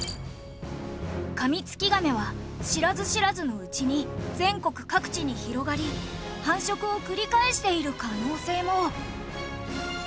カミツキガメは知らず知らずのうちに全国各地に広がり繁殖を繰り返している可能性も。